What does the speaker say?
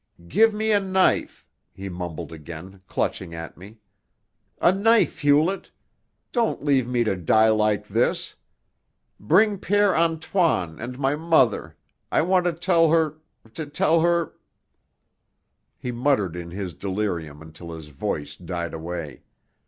"Give me a knife!" he mumbled again, clutching at me. "A knife, Hewlett! Don't leave me to die like this! Bring Père Antoine and my mother. I want to tell her to tell her " He muttered in his delirium until his voice died away.